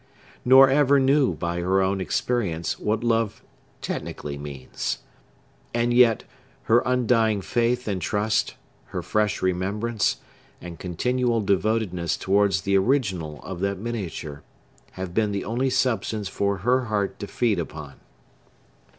—nor ever knew, by her own experience, what love technically means. And yet, her undying faith and trust, her fresh remembrance, and continual devotedness towards the original of that miniature, have been the only substance for her heart to feed upon.